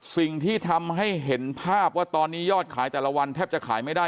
สิ่งที่ทำให้เห็นภาพว่าตอนนี้ยอดขายแต่ละวันแทบจะขายไม่ได้